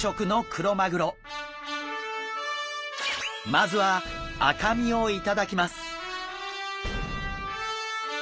まずは赤身を頂きます。